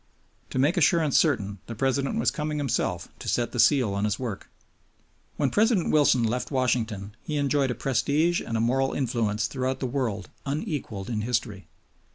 To make assurance certain the President was coming himself to set the seal on his work. When President Wilson left Washington he enjoyed a prestige and a moral influence throughout the world unequaled in history.